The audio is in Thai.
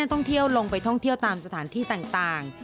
ต้องลงไปท่องเที่ยวตามสถานที่ต่าง